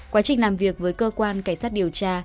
quá trình làm việc với cơ quan cảnh sát điều tra